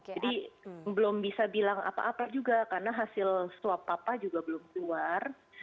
jadi belum bisa bilang apa apa juga karena hasil swab papa juga belum keluar